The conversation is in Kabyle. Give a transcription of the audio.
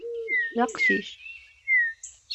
D aqcic.